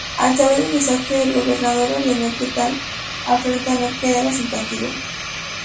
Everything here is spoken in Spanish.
Al saber del desastre el gobernador ordenó que tal afrenta no quedara sin castigo.